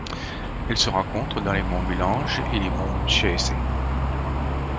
Elle se rencontre dans les monts Mulanje et les monts Mchese.